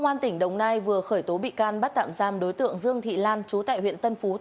hãy đăng ký kênh để nhận thông tin nhất